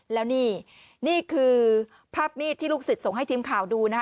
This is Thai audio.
แล้วนี่นี่คือภาพมีดที่ลูกศิษย์ส่งให้ทีมข่าวดูนะคะ